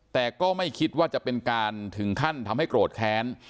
แต่ก็ไม่คิดว่าจะเป็นการถึงขั้นทำให้โกรธแค้น